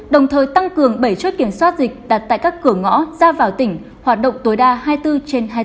đồng thời tăng cường bảy chốt kiểm soát dịch đặt tại các cửa ngõ ra vào tỉnh hoạt động tối đa hai mươi bốn trên hai mươi bốn